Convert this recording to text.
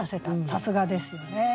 さすがですよね。